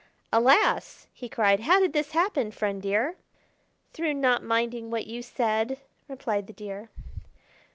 "Alas!" he cried, "how did this happen, Friend Deer?" "Through not minding what you said," replied the Deer.